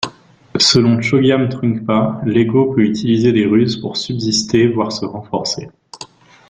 Selon Chögyam Trungpa, l'ego peut utiliser des ruses pour subsister, voire se renforcer.